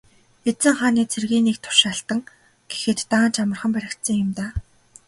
Эзэн хааны цэргийн нэг тушаалтан гэхэд даанч амархан баригдсан юм даа.